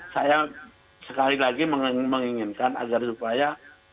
saya sekali lagi menginginkan agar supaya